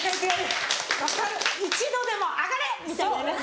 １度でも上がれ！みたいなね。